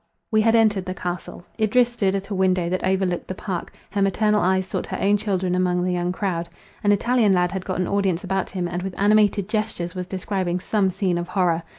We had entered the Castle. Idris stood at a window that over looked the park; her maternal eyes sought her own children among the young crowd. An Italian lad had got an audience about him, and with animated gestures was describing some scene of horror.